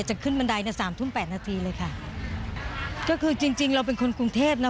จะขึ้นบันไดในสามทุ่มแปดนาทีเลยค่ะก็คือจริงจริงเราเป็นคนกรุงเทพนะ